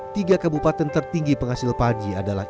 tiga kabupaten tertinggi penghasil padi adalah